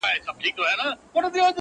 هسې سترگي پـټـي دي ويــــده نــه ده,